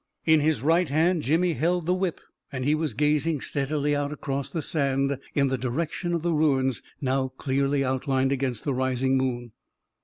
In his right hand, Jimmy held the whip, and he was gazing steadily out across the sand in the di rection of the ruins, now clearly outlined against the rising moon.